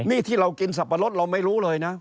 นี่ที่เรากินสับปะรดเราไม่รู้เลยนะ